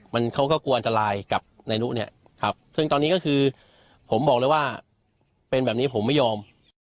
มันเขาก็กลัวอันตรายกับนายนุเนี่ยครับซึ่งตอนนี้ก็คือผมบอกเลยว่าเป็นแบบนี้ผมไม่ยอม